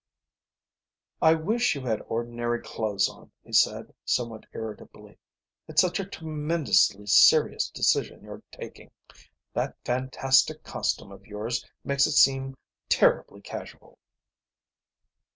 "I wish you had ordinary clothes on," he said, somewhat irritably. "It's such a tremendously serious decision you're taking. That fantastic costume of yours makes it seem terribly casual."